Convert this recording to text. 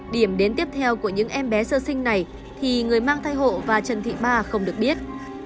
điểm đến tiếp theo của những em bé sơ sinh này thì người mang thai hộ và trần thị ba không được biết